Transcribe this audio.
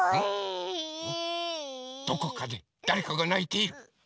どこかでだれかがないている！